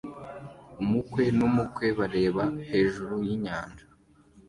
Umukwe n'umukwe bareba hejuru yinyanja